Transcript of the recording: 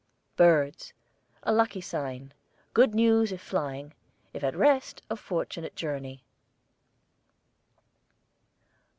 BIRDS, a lucky sign; good news if flying, if at rest a fortunate journey.